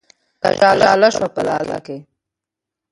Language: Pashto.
که ژاله شوه په لاله کې